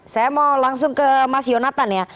saya mau langsung ke mas yonatan ya